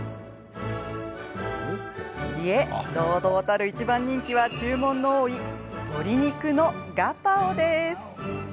いえ、堂々たる一番人気は注文の多い鶏肉のガパオです。